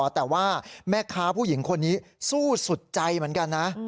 แต่ว่าแม่ค้าผู้หญิงคนนี้สู้สุดใจเหมือนกันนะ